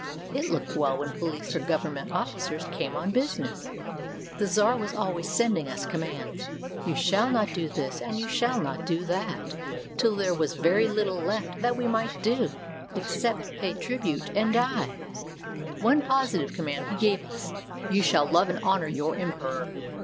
It looked well when police or government officers came on business. The czar was always sending us commands, — you shall not do this and you shall not do that, — till there was very little left that we might do, except pay tribute and die. One positive command he gave us: You shall love and honor your emperor.